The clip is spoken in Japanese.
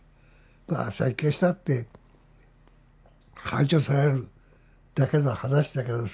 まあ占拠したって排除されるだけの話だけどさ